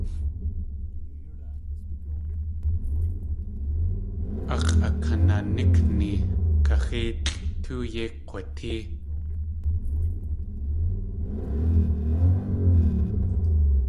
Ax̲ʼakananíkni kaxéelʼ tóo yéi kg̲watée.